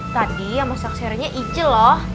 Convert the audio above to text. tadi yang masak seharinya ije loh